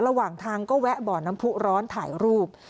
ระหว่างทางก็แวะบ่อน้ำผู้ร้อนถ่ายรูป